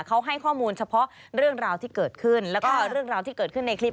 เขาให้ข้อมูลเฉพาะเรื่องราวที่เกิดขึ้นแล้วก็เรื่องราวที่เกิดขึ้นในคลิป